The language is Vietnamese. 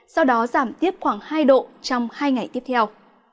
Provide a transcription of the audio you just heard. sau đó giảm tiếp khoảng hai độ trong hai ngày tiếp theo